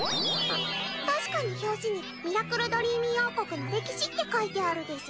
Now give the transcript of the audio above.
確かに表紙に『ミラクルドリーミー王国の歴史』って書いてあるです。